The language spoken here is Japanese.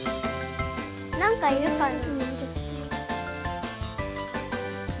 なんかいるかな？